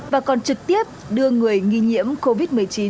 và còn trực tiếp đưa người nghi nhiễm covid một mươi chín